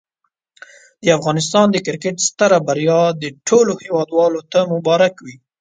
د افغانستان د کرکټ ستره بریا دي ټولو هېوادوالو ته مبارک وي.